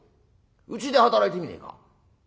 うちで働いてみねえか？」。